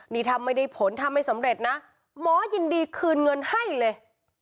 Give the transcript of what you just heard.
นี่ทำไม่ได้ผลทำไม่สำเร็จนะหมอยินดีคืนเงินให้เลย